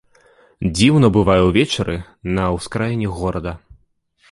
Дзіўна бывае ўвечары на ўскраіне горада.